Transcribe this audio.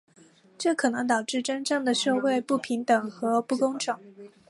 这可能导致真正的社会不平等和不公正。